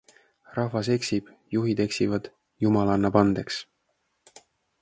Rahvas eksib, juhid eksivad, Jumal annab andeks.